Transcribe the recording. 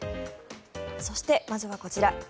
そして、まずはこちら。